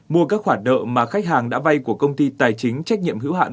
mua các khoản đợ mà khách hàng đã bay của công ty tài chính trách nhiệm hữu hạn